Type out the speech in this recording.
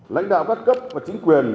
lãnh đạo các cấp và chính quyền